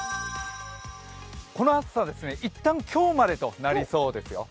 この暑さは一旦今日までととなりそうですよ。